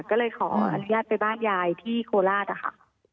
ก็เลยขออนุญาตไปบ้านยายที่โคราชอะค่ะ